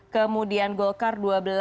kemudian golkar dua belas tiga puluh satu